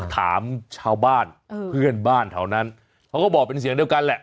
ถามชาวบ้านเพื่อนบ้านแถวนั้นเขาก็บอกเป็นเสียงเดียวกันแหละ